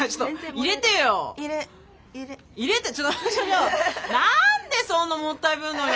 入れて何でそんなもったいぶんのよ。